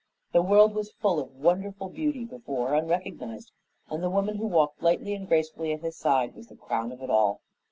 The world was full of wonderful beauty before unrecognized, and the woman who walked lightly and gracefully at his side was the crown of it all.